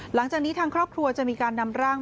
หลังจากนี้ทางครอบครัวจะมีการนำร่าง